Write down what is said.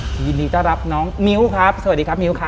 ยินดีต้อนรับน้องมิ้วครับสวัสดีครับมิ้วครับ